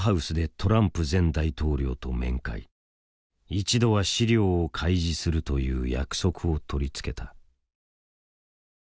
一度は資料を開示するという約束を取り付けた。